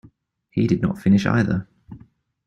He did not finish either.